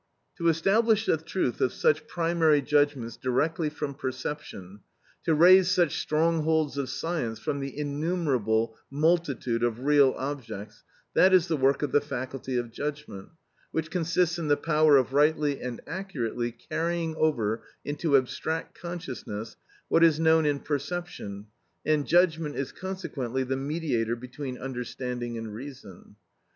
To establish the truth of such primary judgments directly from perception, to raise such strongholds of science from the innumerable multitude of real objects, that is the work of the faculty of judgment, which consists in the power of rightly and accurately carrying over into abstract consciousness what is known in perception, and judgment is consequently the mediator between understanding and reason.